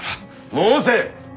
申せ！